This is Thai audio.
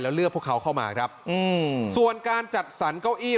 แล้วเลือกพวกเขาเข้ามาครับอืมส่วนการจัดสรรเก้าอี้